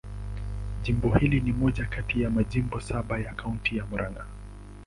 Jimbo hili ni moja kati ya majimbo saba ya Kaunti ya Murang'a.